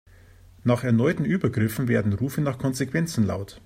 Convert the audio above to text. Nach erneuten Übergriffen werden Rufe nach Konsequenzen laut.